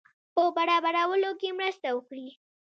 په برابرولو کې مرسته وکړي.